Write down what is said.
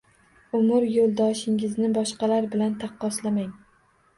Umr yo‘ldoshingizni boshqalar bilan taqqoslamang.